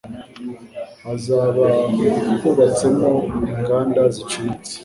hazaba hubatsemo inganda ziciriritse.